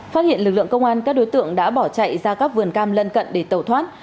phát hiện lực lượng công an các đối tượng đã bỏ chạy ra các vườn cam lân cận để tẩu thoát